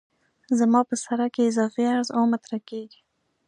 زما په سرک کې اضافي عرض اوه متره کیږي